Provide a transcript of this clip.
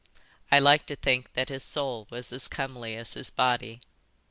I like to think that his soul was as comely as his body.